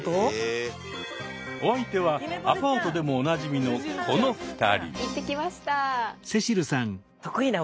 お相手はアパートでもおなじみのこの２人。